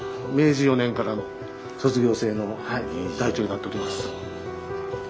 明治４年からの卒業生の台帳になっております。